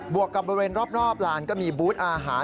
วกกับบริเวณรอบลานก็มีบูธอาหาร